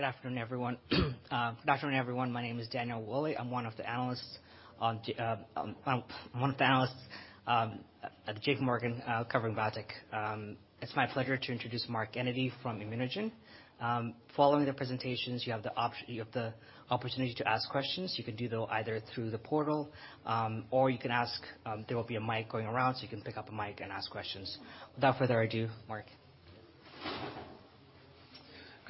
Good afternoon, everyone. My name is Daniel Wolle. I'm one of the analysts at JPMorgan, covering biotech. It's my pleasure to introduce Mark Enyedy from ImmunoGen. Following the presentations, you have the opportunity to ask questions. You can do those either through the portal, or you can ask, there will be a mic going around, so you can pick up a mic and ask questions. Without further ado, Mark.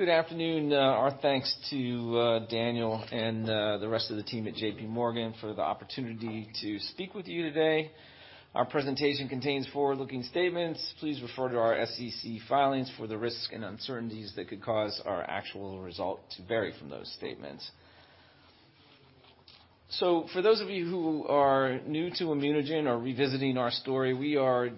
Good afternoon. Our thanks to Daniel and the rest of the team at JPMorgan for the opportunity to speak with you today. Our presentation contains forward-looking statements. Please refer to our SEC filings for the risks and uncertainties that could cause our actual result to vary from those statements. For those of you who are new to ImmunoGen or revisiting our story, we are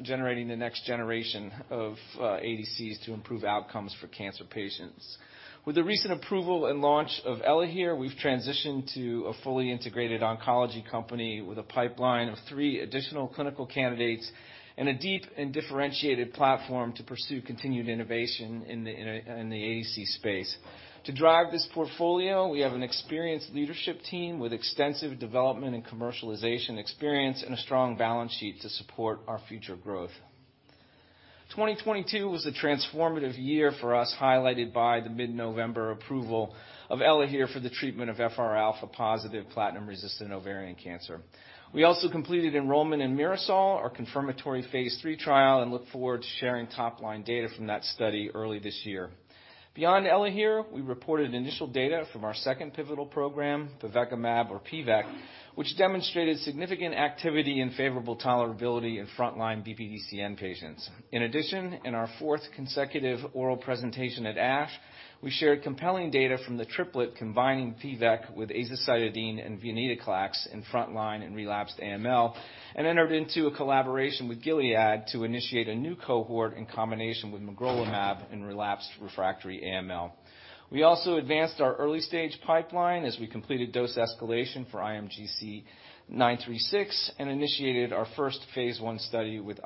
generating the next generation of ADCs to improve outcomes for cancer patients. With the recent approval and launch of ELAHERE, we've transitioned to a fully integrated oncology company with a pipeline of three additional clinical candidates and a deep and differentiated platform to pursue continued innovation in the ADC space. To drive this portfolio, we have an experienced leadership team with extensive development and commercialization experience and a strong balance sheet to support our future growth. 2022 was a transformative year for us, highlighted by the mid-November approval of ELAHERE for the treatment of FRα-positive platinum-resistant ovarian cancer. We also completed enrollment in MIRASOL, our confirmatory phase III trial, and look forward to sharing top-line data from that study early this year. Beyond ELAHERE, we reported initial data from our second pivotal program, Pivekimab or PVEC, which demonstrated significant activity and favorable tolerability in frontline BPDCN patients. In addition, in our fourth consecutive oral presentation at ASH, we shared compelling data from the triplet combining PVEC with azacitidine and venetoclax in front line and relapsed AML, and entered into a collaboration with Gilead to initiate a new cohort in combination with magrolimab in relapsed refractory AML. We also advanced our early-stage pipeline as we completed dose escalation for IMGC936 and initiated our first phase I study with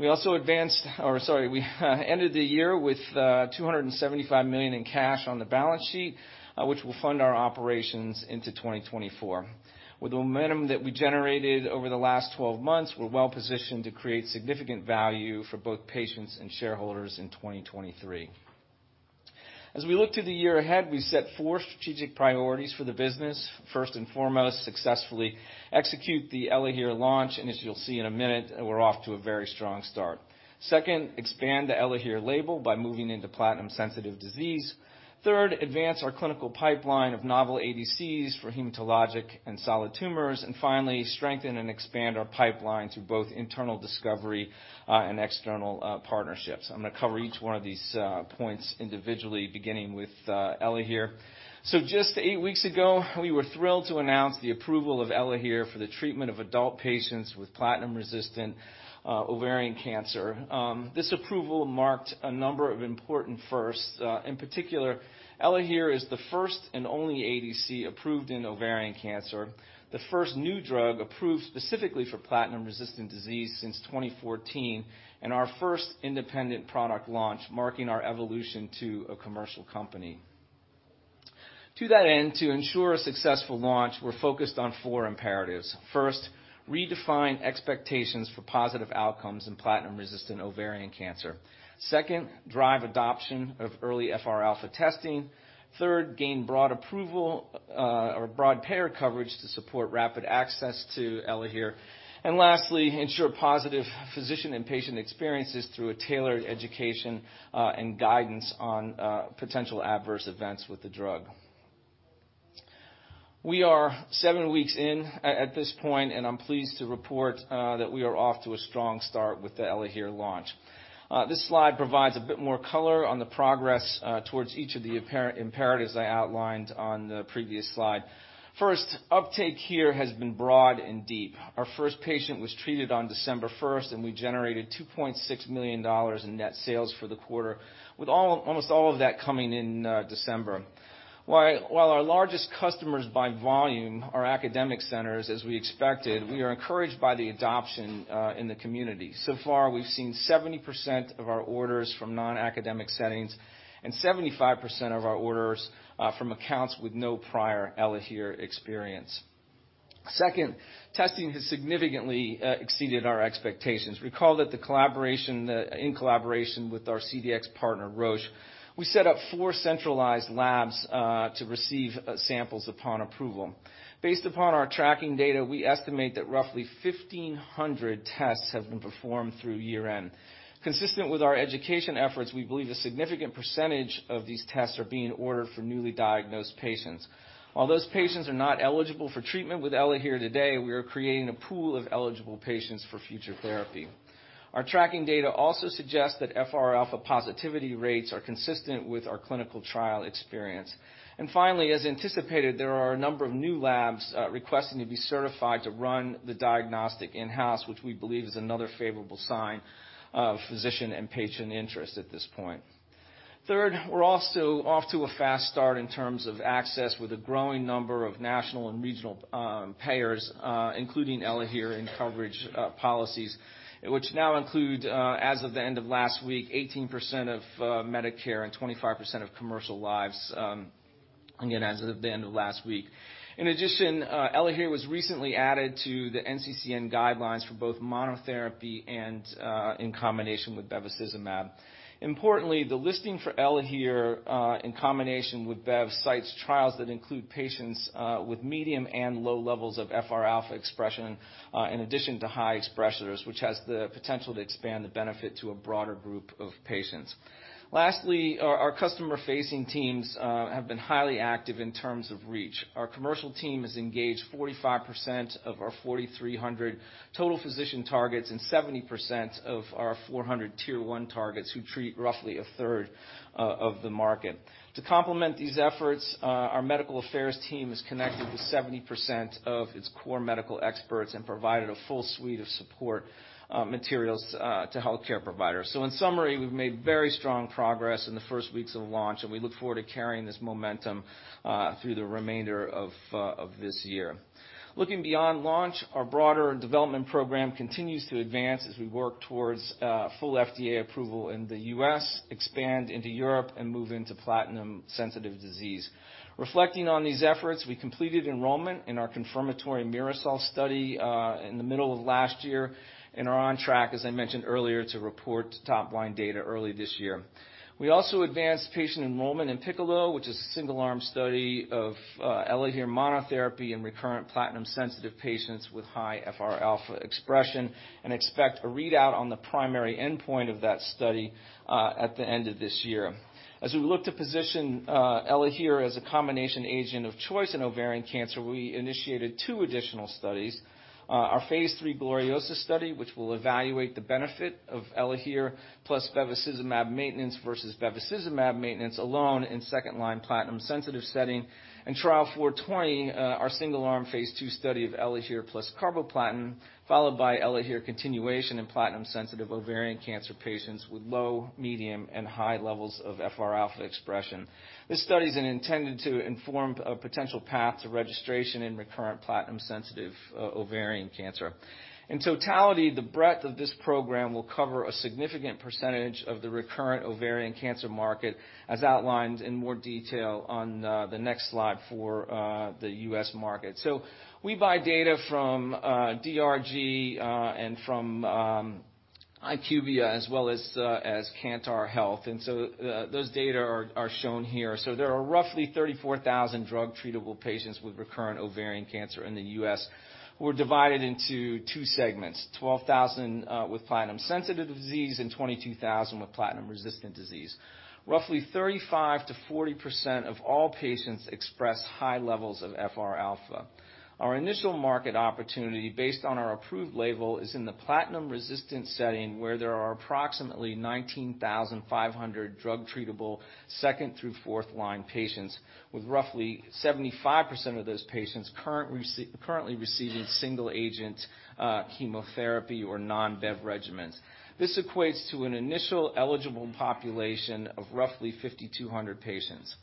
IMGN-151. We ended the year with $275 million in cash on the balance sheet, which will fund our operations into 2024. With the momentum that we generated over the last 12 months, we're well-positioned to create significant value for both patients and shareholders in 2023. As we look to the year ahead, we set four strategic priorities for the business. First and foremost, successfully execute the ELAHERE launch, and as you'll see in a minute, we're off to a very strong start. Second, expand the ELAHERE label by moving into platinum-sensitive disease. Advance our clinical pipeline of novel ADCs for hematologic and solid tumors, finally, strengthen and expand our pipeline through both internal discovery and external partnerships. I'm gonna cover each one of these points individually, beginning with ELAHERE. Just eight weeks ago, we were thrilled to announce the approval of ELAHERE for the treatment of adult patients with platinum-resistant ovarian cancer. This approval marked a number of important firsts. In particular, ELAHERE is the first and only ADC approved in ovarian cancer, the first new drug approved specifically for platinum-resistant disease since 2014, and our first independent product launch marking our evolution to a commercial company. To that end, to ensure a successful launch, we're focused on four imperatives. Redefine expectations for positive outcomes in platinum-resistant ovarian cancer. Drive adoption of early FRα testing. Third, gain broad approval, or broad payer coverage to support rapid access to ELAHERE. Lastly, ensure positive physician and patient experiences through a tailored education, and guidance on potential adverse events with the drug. We are seven weeks in at this point, and I'm pleased to report that we are off to a strong start with the ELAHERE launch. This slide provides a bit more color on the progress towards each of the apparent imperatives I outlined on the previous slide. First, uptake here has been broad and deep. Our first patient was treated on December 1st, and we generated $2.6 million in net sales for the quarter, with almost all of that coming in December. While our largest customers by volume are academic centers, as we expected, we are encouraged by the adoption in the community. So far, we've seen 70% of our orders from non-academic settings and 75% of our orders from accounts with no prior ELAHERE experience. Second, testing has significantly exceeded our expectations. Recall that the collaboration, in collaboration with our CDX partner, Roche, we set up four centralized labs to receive samples upon approval. Based upon our tracking data, we estimate that roughly 1,500 tests have been performed through year-end. Consistent with our education efforts, we believe a significant percentage of these tests are being ordered for newly diagnosed patients. While those patients are not eligible for treatment with ELAHERE today, we are creating a pool of eligible patients for future therapy. Our tracking data also suggests that FRα positivity rates are consistent with our clinical trial experience. Finally, as anticipated, there are a number of new labs requesting to be certified to run the diagnostic in-house, which we believe is another favorable sign of physician and patient interest at this point. Third, we're also off to a fast start in terms of access with a growing number of national and regional payers, including ELAHERE in coverage policies, which now include, as of the end of last week, 18% of Medicare and 25% of commercial lives, again, as of the end of last week. In addition, ELAHERE was recently added to the NCCN guidelines for both monotherapy and in combination with bevacizumab. Importantly, the listing for ELAHERE in combination with bevacizumab cites trials that include patients with medium and low levels of FRα expression, in addition to high expressers, which has the potential to expand the benefit to a broader group of patients. Lastly, our customer-facing teams have been highly active in terms of reach. Our commercial team has engaged 45% of our 4,300 total physician targets and 70% of our 400 tier one targets, who treat roughly 1/3 of the market. To complement these efforts, our medical affairs team is connected to 70% of its core medical experts and provided a full suite of support materials to healthcare providers. In summary, we've made very strong progress in the first weeks of launch, and we look forward to carrying this momentum through the remainder of this year. Looking beyond launch, our broader development program continues to advance as we work towards full FDA approval in the U.S., expand into Europe and move into platinum-sensitive disease. Reflecting on these efforts, we completed enrollment in our confirmatory MIRASOL study in the middle of last year and are on track, as I mentioned earlier, to report top line data early this year. We also advanced patient enrollment in PICCOLO, which is a single-arm study of ELAHERE monotherapy in recurrent platinum-sensitive patients with high FRα expression, and expect a readout on the primary endpoint of that study at the end of this year. As we look to position ELAHERE as a combination agent of choice in ovarian cancer, we initiated two additional studies. Our Phase III GLORIOSA study, which will evaluate the benefit of ELAHERE plus bevacizumab maintenance versus bevacizumab maintenance alone in second-line platinum-sensitive setting. Trial 420, our single-arm Phase II study of ELAHERE plus carboplatin, followed by ELAHERE continuation in platinum-sensitive ovarian cancer patients with low, medium and high levels of FRα expression. This study is intended to inform a potential path to registration in recurrent platinum-sensitive ovarian cancer. In totality, the breadth of this program will cover a significant percentage of the recurrent ovarian cancer market, as outlined in more detail on the next slide for the U.S. market. We buy data from DRG and from IQVIA, as well as Kantar Health. Those data are shown here. There are roughly 34,000 drug treatable patients with recurrent ovarian cancer in the U.S., who are divided into two segments, 12,000 with platinum-sensitive disease and 22,000 with platinum-resistant disease. Roughly 35%-40% of all patients express high levels of FRα. Our initial market opportunity, based on our approved label, is in the platinum-resistant setting, where there are approximately 19,500 drug treatable second through fourth line patients, with roughly 75% of those patients currently receiving single agent chemotherapy or non-Bev regimens. This equates to an initial eligible population of roughly 5,200 patients.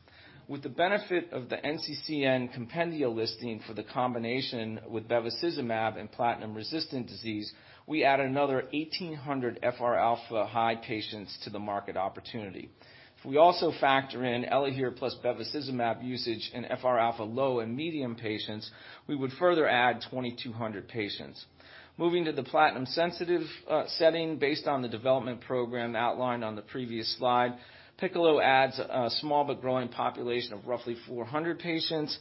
With the benefit of the NCCN compendia listing for the combination with bevacizumab and platinum-resistant disease, we add another 1,800 FRα high patients to the market opportunity. If we also factor in ELAHERE plus bevacizumab usage in FRα low and medium patients, we would further add 2,200 patients. Moving to the platinum-sensitive setting based on the development program outlined on the previous slide, PICCOLO adds a small but growing population of roughly 400 patients.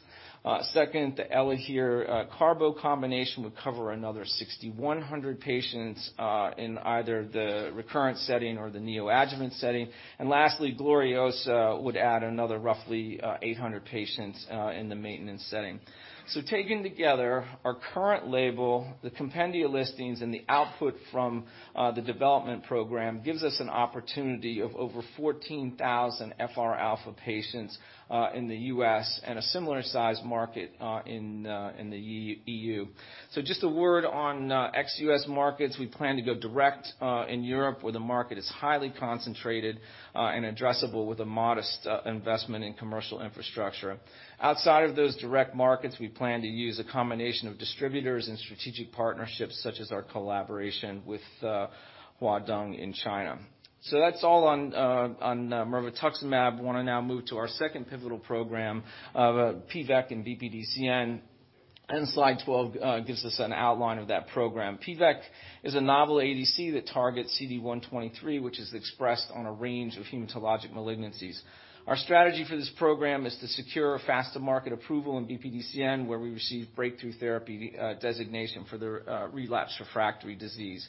Second, the ELAHERE carboplatin combination would cover another 6,100 patients in either the recurrent setting or the neoadjuvant setting. Lastly, GLORIOSA would add another roughly 800 patients in the maintenance setting. So taken together, our current label, the compendia listings and the output from the development program gives us an opportunity of over 14,000 FRα patients in the U.S. and a similar size market in the EU. Just a word on ex-U.S. markets. We plan to go direct in Europe, where the market is highly concentrated and addressable with a modest investment in commercial infrastructure. Outside of those direct markets, we plan to use a combination of distributors and strategic partnerships such as our collaboration with Huadong Medicine in China. That's all on mirvetuximab. I want to now move to our second pivotal program of Pivekimab sunirine and BPDCN, and slide 12 gives us an outline of that program. Pvec is a novel ADC that targets CD123, which is expressed on a range of hematologic malignancies. Our strategy for this program is to secure faster market approval in BPDCN, where we receive Breakthrough Therapy designation for the relapse refractory disease.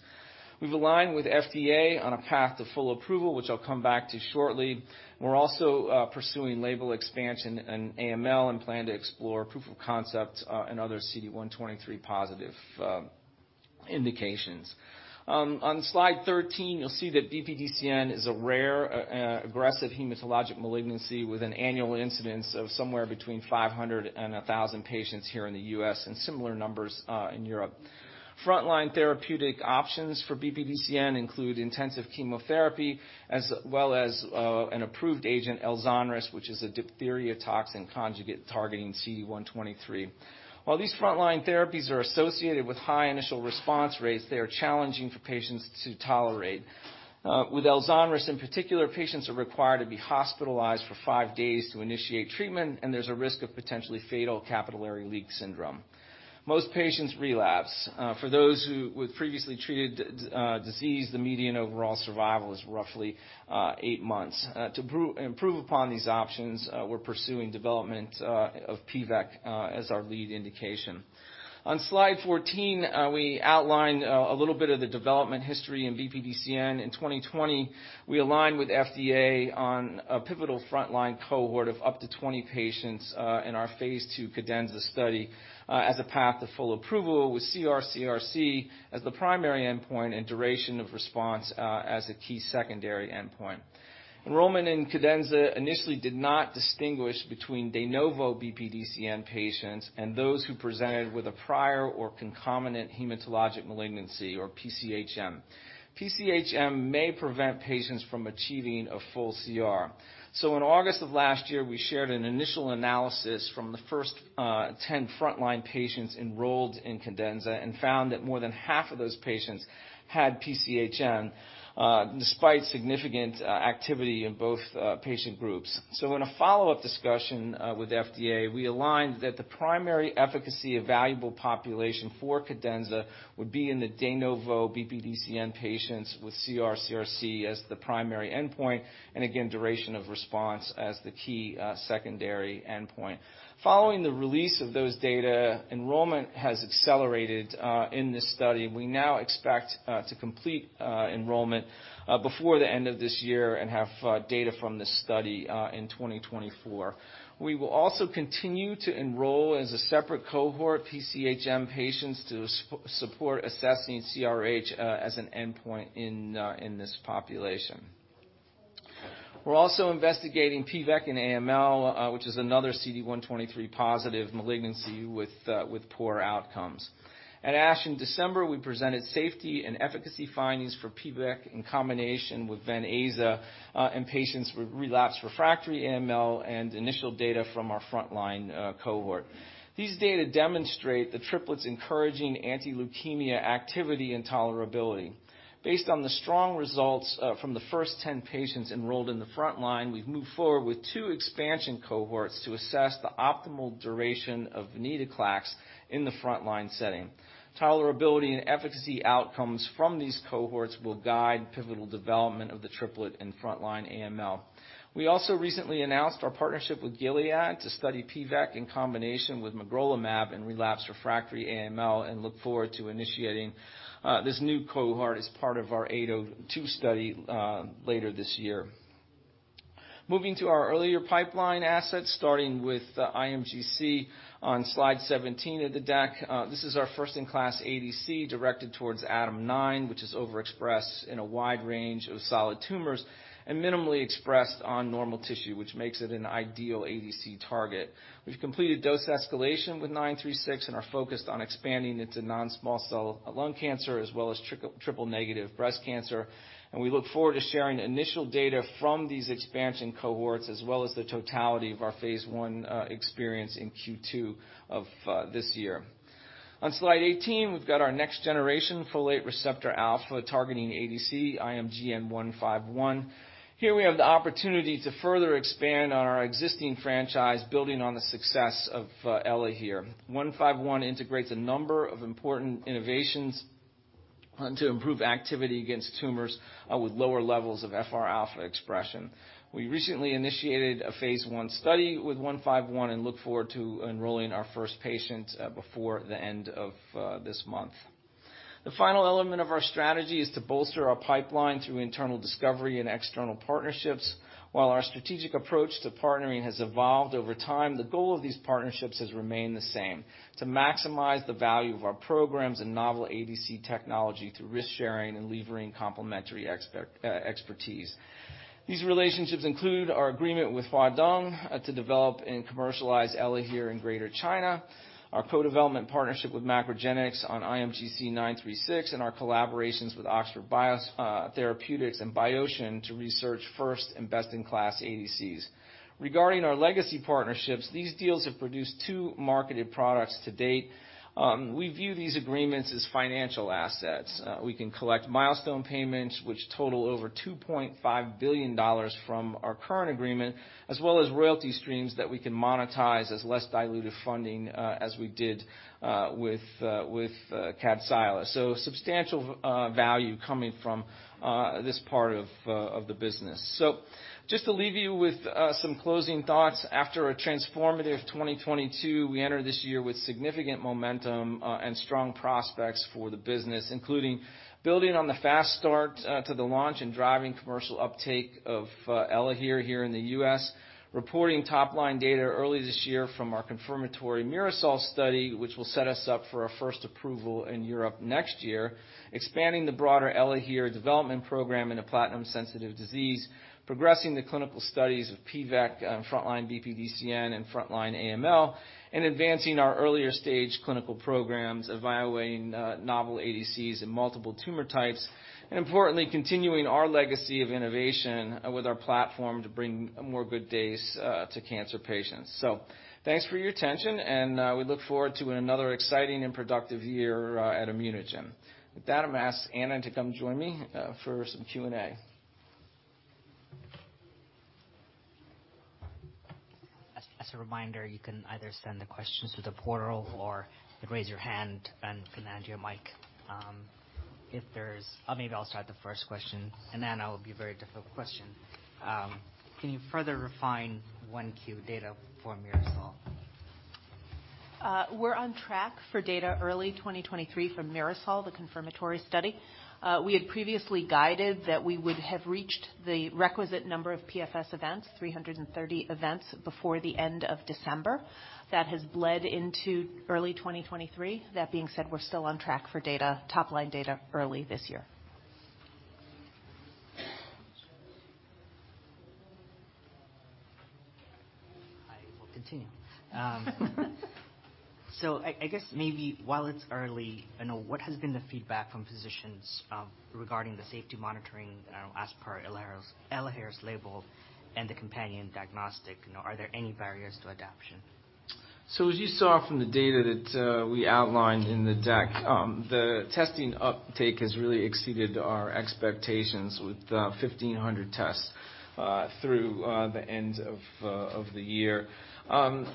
We've aligned with FDA on a path to full approval, which I'll come back to shortly. We're also pursuing label expansion in AML and plan to explore proof of concept in other CD123 positive indications. On slide 13, you'll see that BPDCN is a rare, aggressive hematologic malignancy with an annual incidence of somewhere between 500 and 1,000 patients here in the US, and similar numbers in Europe. Frontline therapeutic options for BPDCN include intensive chemotherapy, as well as an approved agent, ELZONRIS, which is a diphtheria toxin conjugate targeting CD123. While these frontline therapies are associated with high initial response rates, they are challenging for patients to tolerate. With ELZONRIS in particular, patients are required to be hospitalized for five days to initiate treatment, and there's a risk of potentially fatal capillary leak syndrome. Most patients relapse. For those who with previously treated disease, the median overall survival is roughly eight months. To improve upon these options, we're pursuing development of Pvec as our lead indication. On slide 14, we outline a little bit of the development history in BPDCN. In 2020, we aligned with FDA on a pivotal frontline cohort of up to 20 patients in our phase II CADENZA study as a path to full approval with CR/CRc as the primary endpoint and duration of response as a key secondary endpoint. Enrollment in Cadenza initially did not distinguish between de novo BPDCN patients and those who presented with a prior or concomitant hematologic malignancy or PCHM. PCHM may prevent patients from achieving a full CR. In August of last year, we shared an initial analysis from the first 10 frontline patients enrolled in Cadenza and found that more than half of those patients had PCHM despite significant activity in both patient groups. In a follow-up discussion with FDA, we aligned that the primary efficacy evaluable population for Cadenza would be in the de novo BPDCN patients with CRCRC as the primary endpoint, and again, duration of response as the key secondary endpoint. Following the release of those data, enrollment has accelerated in this study. We now expect to complete enrollment before the end of this year and have data from this study in 2024. We will also continue to enroll as a separate cohort PCHM patients to support assessing CRH as an endpoint in this population. We're also investigating Pvec and AML, which is another CD123 positive malignancy with poor outcomes. At ASH in December, we presented safety and efficacy findings for Pvec in combination with Ven-Aza in patients with relapsed refractory AML and initial data from our frontline cohort. These data demonstrate the triplet's encouraging anti-leukemia activity and tolerability. Based on the strong results from the first 10 patients enrolled in the frontline, we've moved forward with two expansion cohorts to assess the optimal duration of venetoclax in the frontline setting. Tolerability and efficacy outcomes from these cohorts will guide pivotal development of the triplet in frontline AML. We also recently announced our partnership with Gilead to study Pvec in combination with magrolimab in relapsed refractory AML and look forward to initiating this new cohort as part of our 0802 study later this year. Moving to our earlier pipeline assets, starting with the IMGC936 on slide 17 of the deck. This is our first in class ADC directed towards ADAM9, which is overexpressed in a wide range of solid tumors and minimally expressed on normal tissue, which makes it an ideal ADC target. We've completed dose escalation with 936 and are focused on expanding into non-small cell lung cancer as well as triple negative breast cancer. We look forward to sharing initial data from these expansion cohorts as well as the totality of our Phase I experience in Q2 of this year. On slide 18, we've got our next generation Folate Receptor alpha targeting ADC, IMGN-151. Here we have the opportunity to further expand on our existing franchise, building on the success of ELAHERE. 151 integrates a number of important innovations to improve activity against tumors with lower levels of FRα expression. We recently initiated a Phase I study with 151 and look forward to enrolling our first patients before the end of this month. The final element of our strategy is to bolster our pipeline through internal discovery and external partnerships. While our strategic approach to partnering has evolved over time, the goal of these partnerships has remained the same, to maximize the value of our programs and novel ADC technology through risk sharing and levering complementary expertise. These relationships include our agreement with Huadong to develop and commercialize ELAHERE in Greater China, our co-development partnership with MacroGenics on IMGC936, and our collaborations with Oxford BioTherapeutics and Biosion to research first and best-in-class ADCs. Regarding our legacy partnerships, these deals have produced two marketed products to date. We view these agreements as financial assets. We can collect milestone payments, which total over $2.5 billion from our current agreement, as well as royalty streams that we can monetize as less diluted funding, as we did with Kadcyla. substantial value coming from this part of the business. Just to leave you with some closing thoughts. After a transformative 2022, we enter this year with significant momentum and strong prospects for the business, including building on the fast start to the launch and driving commercial uptake of ELAHERE here in the U.S. Reporting top line data early this year from our confirmatory MIRASOL study, which will set us up for our first approval in Europe next year. Expanding the broader ELAHERE development program in a platinum-sensitive disease, progressing the clinical studies of pvec, frontline BPDCN and frontline AML, and advancing our earlier stage clinical programs, evaluating novel ADCs in multiple tumor types, and importantly, continuing our legacy of innovation with our platform to bring more good days to cancer patients. Thanks for your attention, and we look forward to another exciting and productive year at ImmunoGen. I'm gonna ask Anna to come join me for some Q&A. As a reminder, you can either send the questions through the portal or raise your hand, and Ben can hand you a mic. Or maybe I'll start the first question. Anna, it will be a very difficult question. Can you further refine Q1 data for MIRASOL? We're on track for data early 2023 from MIRASOL, the confirmatory study. We had previously guided that we would have reached the requisite number of PFS events, 330 events, before the end of December. That has bled into early 2023. That being said, we're still on track for data, top-line data early this year. I will continue. I guess maybe while it's early, you know, what has been the feedback from physicians regarding the safety monitoring as per ELAHERE's label and the companion diagnostic? You know, are there any barriers to adoption? As you saw from the data that we outlined in the deck, the testing uptake has really exceeded our expectations with 1,500 tests through the end of the year.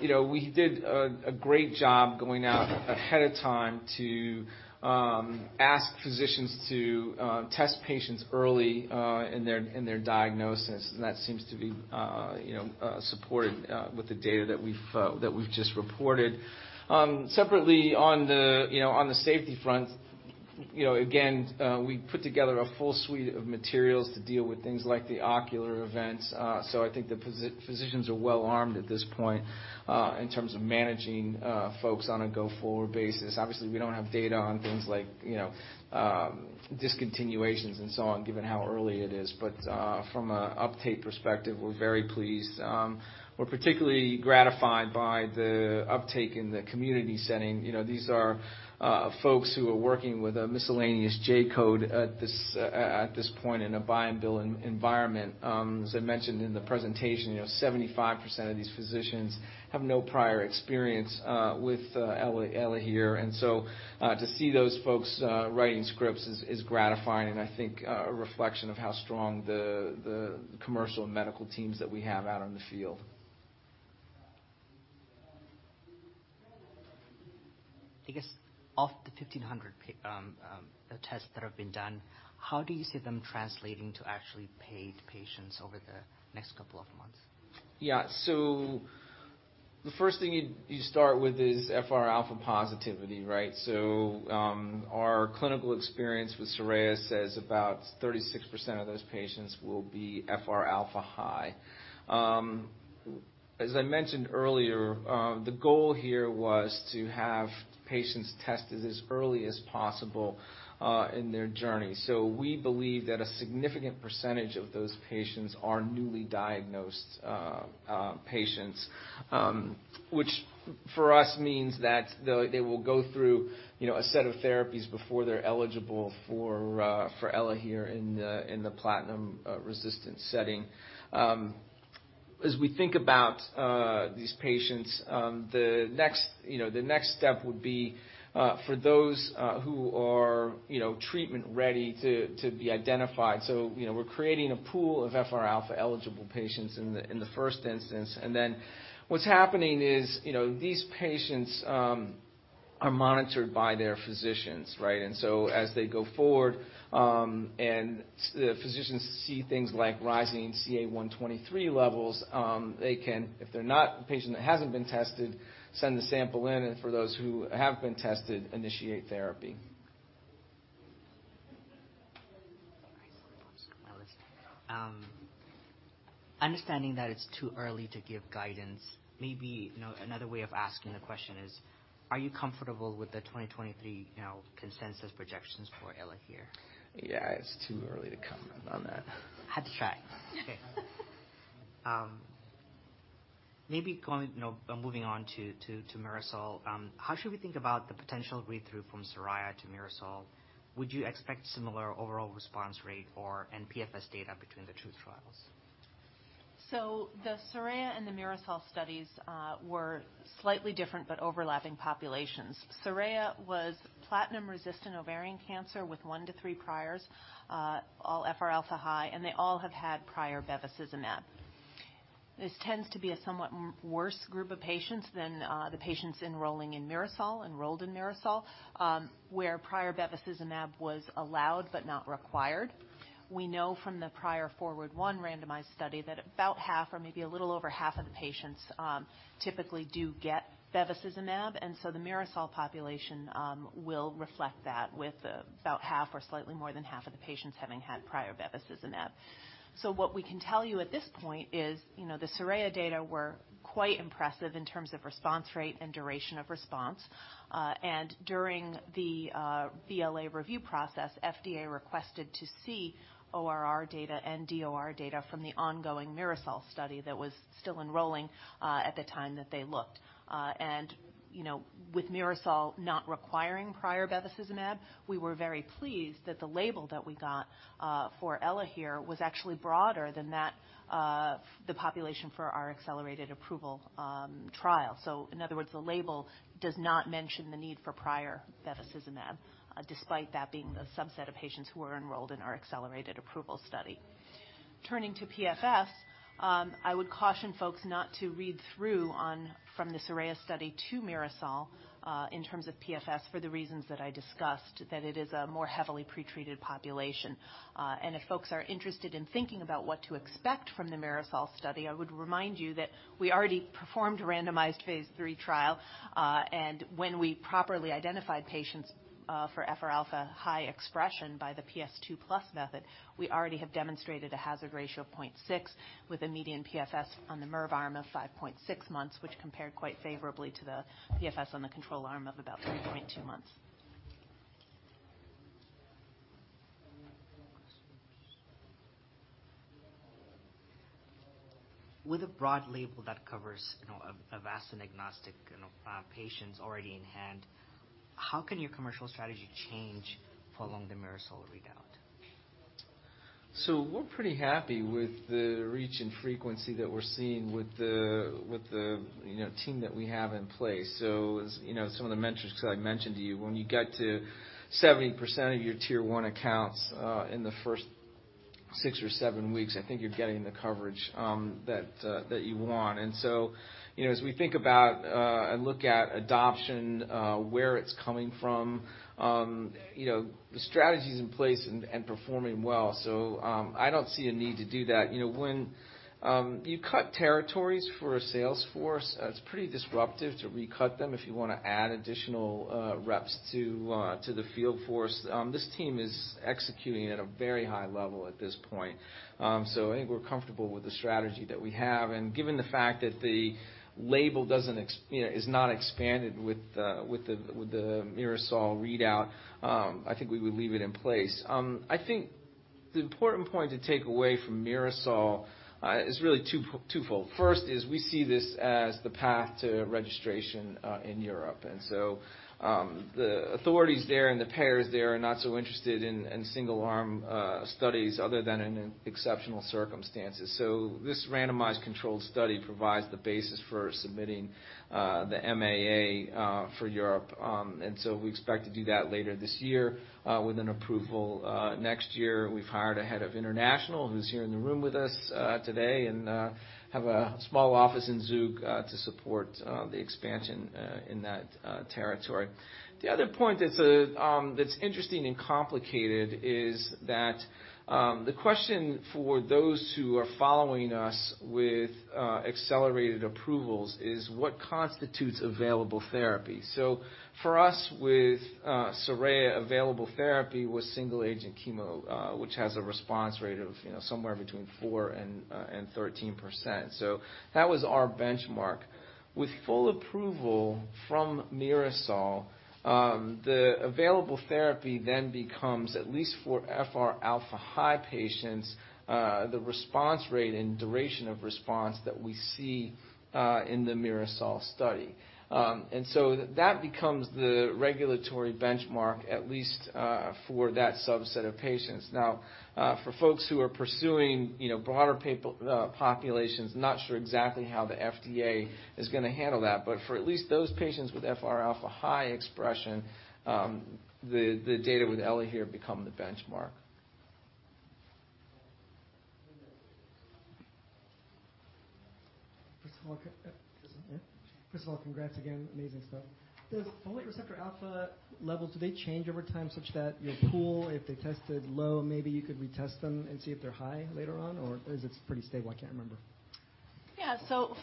You know, we did a great job going out ahead of time to ask physicians to test patients early in their diagnosis. That seems to be, you know, supported with the data that we've just reported. Separately on the, you know, on the safety front, you know, again, we put together a full suite of materials to deal with things like the ocular events. I think the physicians are well-armed at this point in terms of managing folks on a go-forward basis. Obviously, we don't have data on things like, you know, discontinuations and so on, given how early it is. From a uptake perspective, we're very pleased. We're particularly gratified by the uptake in the community setting. You know, these are folks who are working with a miscellaneous J-code at this point in a buy and bill environment. As I mentioned in the presentation, you know, 75% of these physicians have no prior experience with ELAHERE. To see those folks writing scripts is gratifying and I think a reflection of how strong the commercial and medical teams that we have out on the field. I guess, of the 1,500 tests that have been done, how do you see them translating to actually paid patients over the next couple of months? The first thing you start with is FRα positivity, right? Our clinical experience with SORAYA says about 36% of those patients will be FRα high. As I mentioned earlier, the goal here was to have patients tested as early as possible in their journey. We believe that a significant percentage of those patients are newly diagnosed patients. Which for us means that they will go through, you know, a set of therapies before they're eligible for ELAHERE in the platinum-resistant setting. As we think about these patients, the next, you know, the next step would be for those who are, you know, treatment ready to be identified. You know, we're creating a pool of FRα-eligible patients in the, in the first instance. Then what's happening is, you know, these patients are monitored by their physicians, right? As they go forward, and the physicians see things like rising CA-125 levels, they can... If they're not a patient that hasn't been tested, send the sample in, and for those who have been tested, initiate therapy. All right. understanding that it's too early to give guidance, maybe, you know, another way of asking the question is: Are you comfortable with the 2023, you know, consensus projections for ELAHERE? Yeah. It's too early to comment on that. Had to try. Okay. maybe going, you know, moving on to MIRASOL. How should we think about the potential read-through from SORAYA to MIRASOL? Would you expect similar overall response rate or, and PFS data between the two trials? The SORAYA and the MIRASOL studies were slightly different but overlapping populations. SORAYA was platinum-resistant ovarian cancer with one to three priors, all FRα high, and they all have had prior bevacizumab. This tends to be a somewhat worse group of patients than the patients enrolled in MIRASOL, where prior bevacizumab was allowed but not required. We know from the prior FORWARD I randomized study that about half or maybe a little over half of the patients typically do get bevacizumab. The MIRASOL population will reflect that with about half or slightly more than half of the patients having had prior bevacizumab. What we can tell you at this point is, you know, the SORAYA data were quite impressive in terms of response rate and duration of response. During the BLA review process, FDA requested to see ORR data and DOR data from the ongoing MIRASOL study that was still enrolling at the time that they looked. You know, with MIRASOL not requiring prior bevacizumab, we were very pleased that the label that we got for ELAHERE was actually broader than that, the population for our accelerated approval trial. In other words, the label does not mention the need for prior bevacizumab, despite that being the subset of patients who were enrolled in our accelerated approval study. Turning to PFS, I would caution folks not to read through from the SORAYA study to MIRASOL, in terms of PFS for the reasons that I discussed, that it is a more heavily pretreated population. If folks are interested in thinking about what to expect from the MIRASOL study, I would remind you that we already performed randomized Phase III trial. When we properly identified patients, for FRα high expression by the PS2+ method, we already have demonstrated a hazard ratio of 0.6 with a median PFS on the mirve arm of 5.6 months, which compared quite favorably to the PFS on the control arm of about 3.2 months. Any more questions? With a broad label that covers, you know, a vast agnostic, you know, patients already in hand, how can your commercial strategy change following the MIRASOL readout? We're pretty happy with the reach and frequency that we're seeing with the, you know, team that we have in place. As, you know, some of the metrics that I mentioned to you, when you get to 70% of your tier one accounts, in the first six or seven weeks, I think you're getting the coverage that you want. As, you know, as we think about and look at adoption, where it's coming from, you know, the strategy is in place and performing well. I don't see a need to do that. You know, when you cut territories for a sales force, it's pretty disruptive to recut them if you wanna add additional reps to the field force. This team is executing at a very high level at this point. I think we're comfortable with the strategy that we have. Given the fact that the label doesn't you know, is not expanded with the, with the MIRASOL readout, I think we would leave it in place. I think the important point to take away from MIRASOL is really twofold. First is we see this as the path to registration in Europe. The authorities there and the payers there are not so interested in single-arm studies other than in exceptional circumstances. This randomized controlled study provides the basis for submitting the MAA for Europe. We expect to do that later this year with an approval next year. We've hired a head of international who's here in the room with us today and have a small office in Zug to support the expansion in that territory. The other point that's that's interesting and complicated is that the question for those who are following us with accelerated approvals is what constitutes available therapy. For us with SORAYA available therapy was single agent chemo, which has a response rate of, you know, somewhere between 4% and 13%. That was our benchmark. With full approval from MIRASOL, the available therapy then becomes, at least for FRα high patients, the response rate and duration of response that we see in the MIRASOL study. That becomes the regulatory benchmark, at least, for that subset of patients. For folks who are pursuing, you know, broader populations, not sure exactly how the FDA is gonna handle that. For at least those patients with FRα high expression, the data with ELAHERE become the benchmark. First of all, congrats again. Amazing stuff. The folate receptor alpha levels, do they change over time such that your pool, if they tested low, maybe you could retest them and see if they're high later on? Is it pretty stable? I can't remember.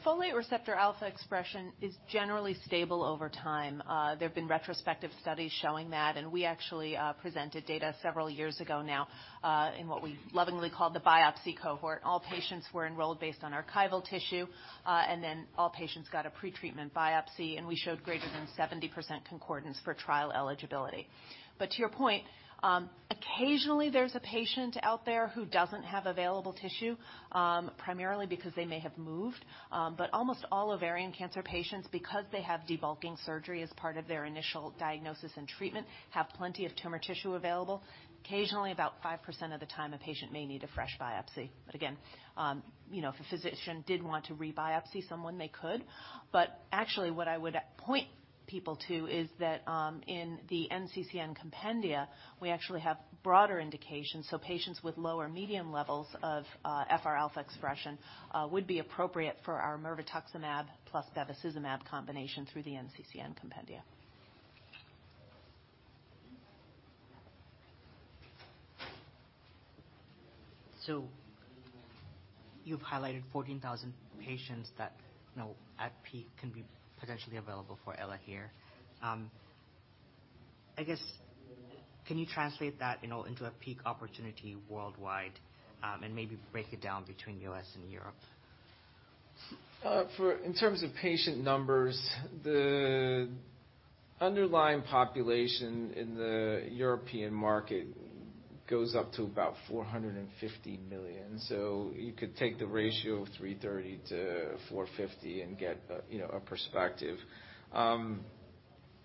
Folate receptor alpha expression is generally stable over time. There have been retrospective studies showing that, and we actually presented data several years ago now, in what we lovingly called the biopsy cohort. All patients were enrolled based on archival tissue, and then all patients got a pretreatment biopsy, and we showed greater than 70% concordance for trial eligibility. To your point, occasionally, there's a patient out there who doesn't have available tissue, primarily because they may have moved. Almost all ovarian cancer patients, because they have debulking surgery as part of their initial diagnosis and treatment, have plenty of tumor tissue available. Occasionally, about 5% of the time, a patient may need a fresh biopsy. Again, you know, if a physician did want to rebiopsy someone, they could. Actually, what I would point people to is that, in the NCCN compendia, we actually have broader indications. Patients with low or medium levels of FRα expression, would be appropriate for our mirvetuximab plus bevacizumab combination through the NCCN compendia. You've highlighted 14,000 patients that, you know, at peak can be potentially available for ELAHERE. I guess, can you translate that, you know, into a peak opportunity worldwide, and maybe break it down between US and Europe? In terms of patient numbers, the underlying population in the European market goes up to about $450 million. So you could take the ratio of 330 to 450 and get, you know, a perspective.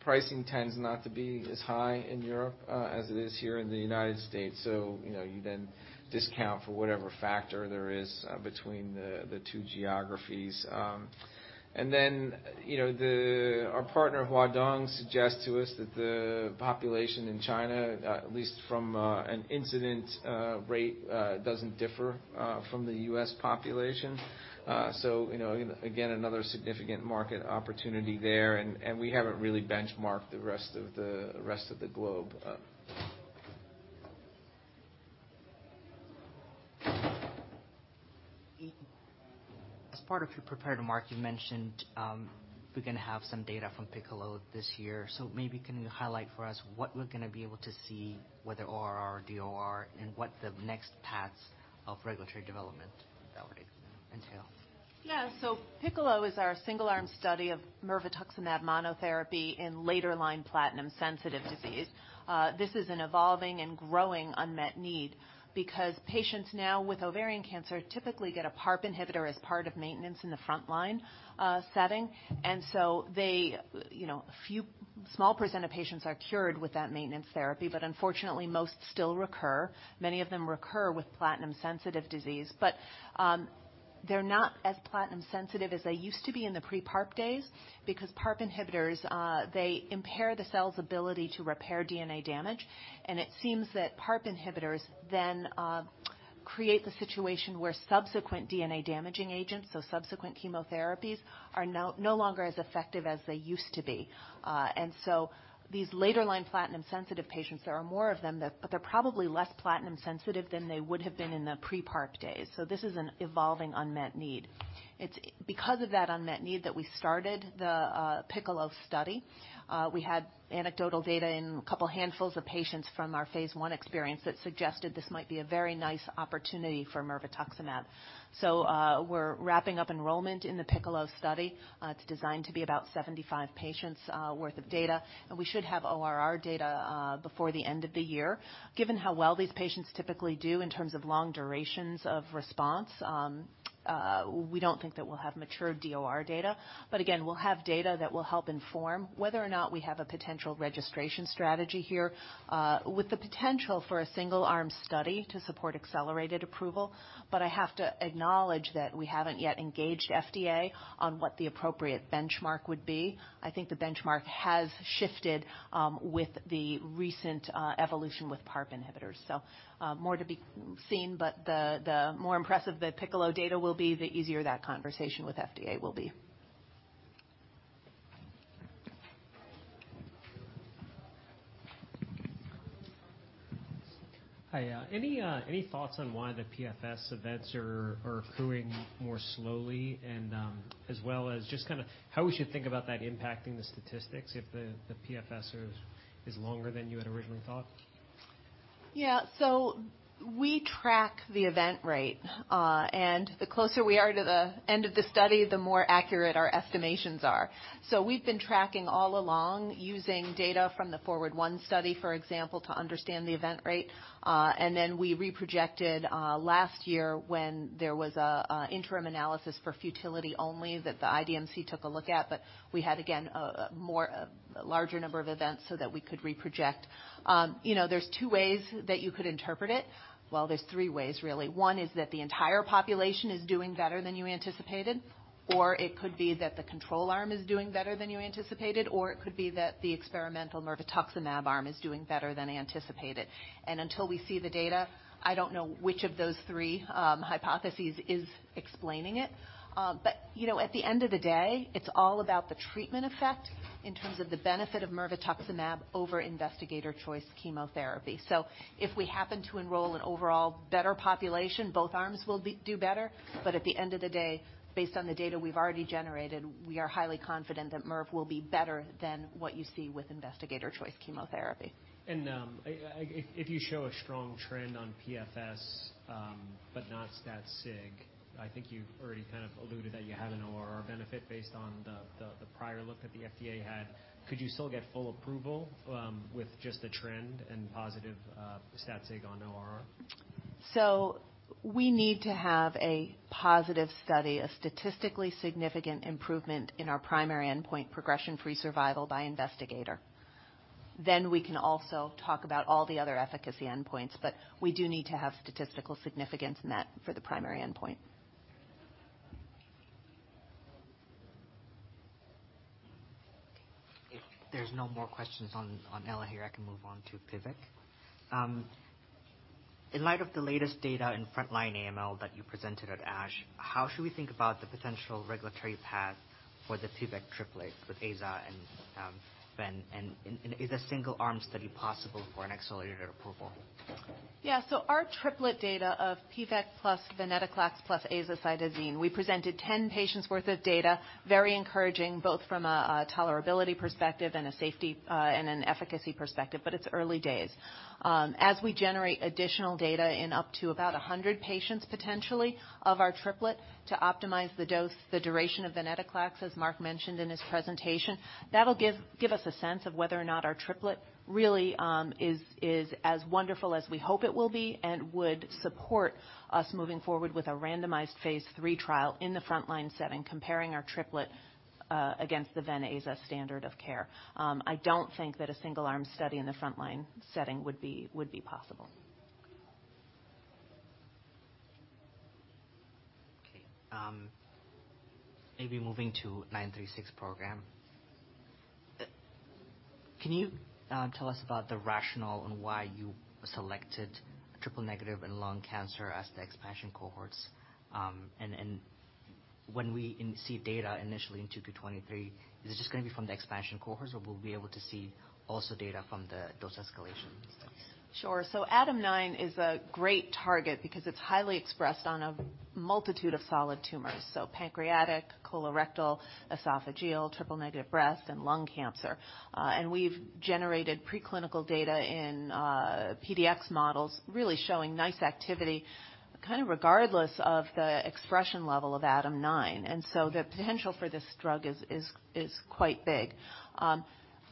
Pricing tends not to be as high in Europe as it is here in the United States, so, you know, you then discount for whatever factor there is between the two geographies. Then, you know, our partner Huadong suggests to us that the population in China, at least from an incident rate, doesn't differ from the US population. So, you know, again, another significant market opportunity there, and we haven't really benchmarked the rest of the globe. As part of your prepared remarks, you mentioned, we're gonna have some data from PICCOLO this year, maybe can you highlight for us what we're gonna be able to see, whether ORR, DOR, and what the next paths of regulatory development that would entail? PICCOLO is our single-arm study of mirvetuximab monotherapy in later line platinum-sensitive disease. This is an evolving and growing unmet need because patients now with ovarian cancer typically get a PARP inhibitor as part of maintenance in the front line setting. They, you know, small percent of patients are cured with that maintenance therapy, but unfortunately, most still recur. Many of them recur with platinum-sensitive disease, but they're not as platinum-sensitive as they used to be in the pre-PARP days because PARP inhibitors, they impair the cell's ability to repair DNA damage. It seems that PARP inhibitors then create the situation where subsequent DNA-damaging agents, so subsequent chemotherapies, are no longer as effective as they used to be. These later line platinum-sensitive patients, there are more of them, but they're probably less platinum sensitive than they would have been in the pre-PARP days. This is an evolving unmet need. It's because of that unmet need that we started the Piccolo study. We had anecdotal data in a couple handfuls of patients from our phase I experience that suggested this might be a very nice opportunity for mirvetuximab. We're wrapping up enrollment in the Piccolo study. It's designed to be about 75 patients' worth of data, and we should have ORR data before the end of the year. Given how well these patients typically do in terms of long durations of response, we don't think that we'll have mature DOR data. Again, we'll have data that will help inform whether or not we have a potential registration strategy here, with the potential for a single-arm study to support accelerated approval. I have to acknowledge that we haven't yet engaged FDA on what the appropriate benchmark would be. I think the benchmark has shifted with the recent evolution with PARP inhibitors. More to be seen, but the more impressive the PICCOLO data will be, the easier that conversation with FDA will be. Hi. Yeah. Any, any thoughts on why the PFS events are accruing more slowly and, as well as just kinda how we should think about that impacting the statistics if the PFS is longer than you had originally thought? Yeah. We track the event rate, and the closer we are to the end of the study, the more accurate our estimations are. We've been tracking all along using data from the FORWARD I study, for example, to understand the event rate. Then we reprojected last year when there was a interim analysis for futility only that the IDMC took a look at. We had, again, a more, a larger number of events so that we could reproject. You know, there's two ways that you could interpret it. Well, there's three ways, really. One is that the entire population is doing better than you anticipated, or it could be that the control arm is doing better than you anticipated, or it could be that the experimental mirvetuximab arm is doing better than anticipated. Until we see the data, I don't know which of those three hypotheses is explaining it. You know, at the end of the day, it's all about the treatment effect in terms of the benefit of mirvetuximab over investigator choice chemotherapy. If we happen to enroll an overall better population, both arms do better. At the end of the day, based on the data we've already generated, we are highly confident that mirv will be better than what you see with investigator choice chemotherapy. If you show a strong trend on PFS, but not stat sig, I think you've already kind of alluded that you have an ORR benefit based on the prior look that the FDA had. Could you still get full approval, with just the trend and positive, stat sig on ORR? We need to have a positive study, a statistically significant improvement in our primary endpoint progression-free survival by investigator. We can also talk about all the other efficacy endpoints, but we do need to have statistical significance in that for the primary endpoint. If there's no more questions on ELAHERE, I can move on to Pivec. In light of the latest data in frontline AML that you presented at ASH, how should we think about the potential regulatory path for the Pivec triplet with aza and ven? Is a single arm study possible for an accelerated approval? Our triplet data of Pivec plus venetoclax plus azacitidine, we presented 10 patients worth of data, very encouraging, both from a tolerability perspective and a safety and an efficacy perspective, but it's early days. As we generate additional data in up to about 100 patients potentially of our triplet to optimize the dose, the duration of venetoclax, as Mark mentioned in his presentation, that'll give us a sense of whether or not our triplet really is as wonderful as we hope it will be, and would support us moving forward with a randomized phase III trial in the frontline setting, comparing our triplet against the Ven-aza standard of care. I don't think that a single arm study in the frontline setting would be possible. Okay. Maybe moving to 936 program. Can you tell us about the rationale on why you selected triple negative and lung cancer as the expansion cohorts? When we see data initially in Q2 2023, is this just gonna be from the expansion cohorts or we'll be able to see also data from the dose escalation studies? Sure. ADAM9 is a great target because it's highly expressed on a multitude of solid tumors, so pancreatic, colorectal, esophageal, triple negative breast and lung cancer. We've generated preclinical data in PDX models really showing nice activity kind of regardless of the expression level of ADAM9. The potential for this drug is quite big.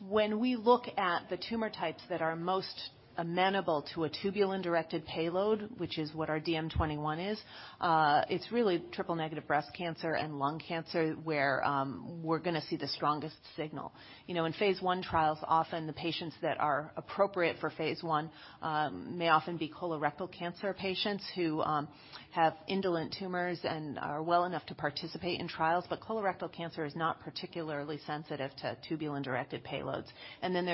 When we look at the tumor types that are most amenable to a tubulin-directed payload, which is what our DM21 is, it's really triple negative breast cancer and lung cancer where we're gonna see the strongest signal. You know, in phase I trials, often the patients that are appropriate for phase I may often be colorectal cancer patients who have indolent tumors and are well enough to participate in trials, but colorectal cancer is not particularly sensitive to tubulin-directed payloads.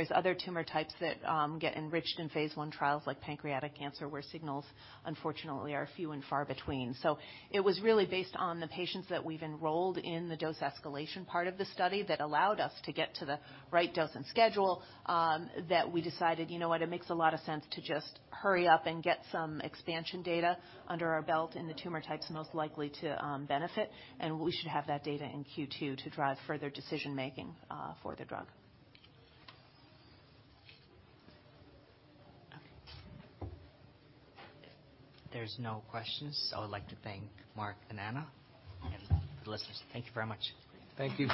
There's other tumor types that get enriched in phase I trials like pancreatic cancer, where signals unfortunately are few and far between. It was really based on the patients that we've enrolled in the dose escalation part of the study that allowed us to get to the right dose and schedule that we decided, you know what, it makes a lot of sense to just hurry up and get some expansion data under our belt in the tumor types most likely to benefit, and we should have that data in Q2 to drive further decision-making for the drug. Okay. If there's no questions, I would like to thank Mark and Anna and the listeners. Thank you very much. Thank you.